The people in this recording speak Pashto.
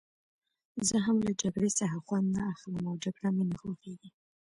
زه هم له جګړې څخه خوند نه اخلم او جګړه مې نه خوښېږي.